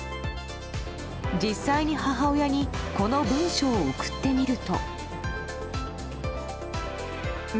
実際に、母親にこの文章を送ってみると。